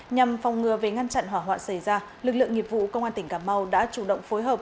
nhằm phòng ngừa về ngăn chặn hỏa hoạn xảy ra lực lượng nghiệp vụ công an tỉnh cà mau đã chủ động phối hợp